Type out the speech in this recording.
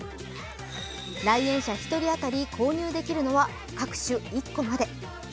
来園者１人当たり購入できるのは、各種１個まで。